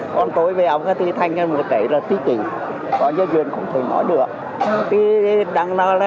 còn tôi về ông thị thanh kể là tí kỳ có gia duyên không thể nói được